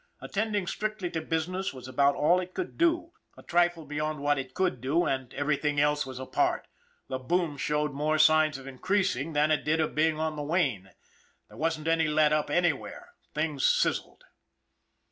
Attending strictly to business was about all it could do, a trifle beyond what it could do, and everything else was apart the boom showed more signs of increasing than it did of being on the wane. There wasn't any let up anywhere things sizzled.